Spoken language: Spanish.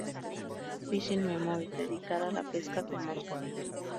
Fishing Memories", dedicado a la pesca con mosca.